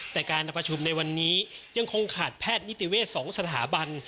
แต่การประชุมในวันนี้ยังคงขาดแพทย์นิติเวศ๒สถาบัน